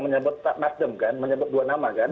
menyebut dua nama enggar tiesto dan suryapalo